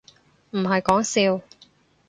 唔係講笑